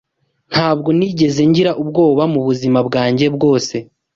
Ntabwo nigeze ngira ubwoba mubuzima bwanjye bwose.